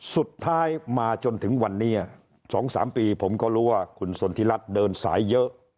สุดท้ายมาจนถึงวันนี้๒๓ปีผมก็รู้ว่าคุณสนทิรัฐเดินสายเยอะ